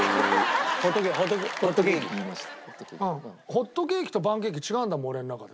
ホットケーキとパンケーキ違うんだもん俺の中で。